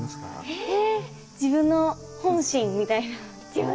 え自分の本心みたいな。